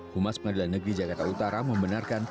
humas pengadilan negeri jakarta utara membenarkan